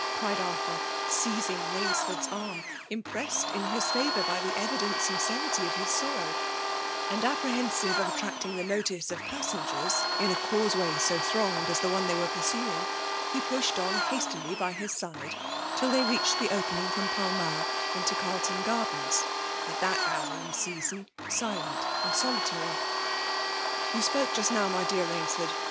*' cried Arthur^ seizing Rainsford*s arm, impressed in his favour by the evident sincerity of his sorrow ; and apprehensive of attracting the notice of passengers in a causeway so thronged as th^ one they were pursuing, he pushed pn hastily by his side, till they reached the opening from Pall Mall into Carlton Gardens, at that hour and season, silent and solitary. " You spoke just now, my dear Rainsford